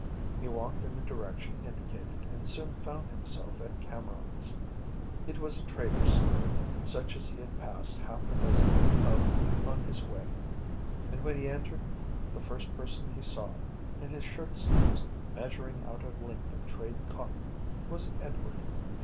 He walked in the direction indicated and soon found himself at Cameron's. It was a trader's store, such as he had passed half a dozen of on his way, and when he entered the first person he saw, in his shirt sleeves, measuring out a length of trade cotton, was Edward.